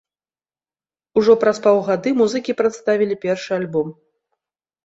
Ужо праз паўгады музыкі прадставілі першы альбом.